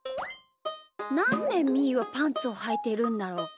なんでみーはパンツをはいてるんだろう。